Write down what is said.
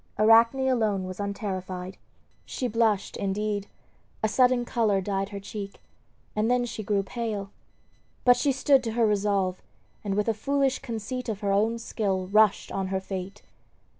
Arachne alone was unterrified. She blushed, indeed; a sudden color dyed her cheek, and then she grew pale. But she stood to her resolve, and with a foolish conceit of her own skill rushed on her fate.